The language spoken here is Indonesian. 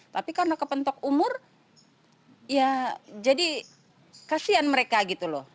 tapi karena kepentok umur ya jadi kasihan mereka gitu loh